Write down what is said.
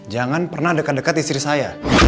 jangan pernah dekat dekat istri saya